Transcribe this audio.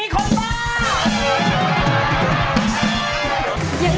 ค่ะ